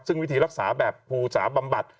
ซึ่งวิธีรักษาแบบภูสาบำบัด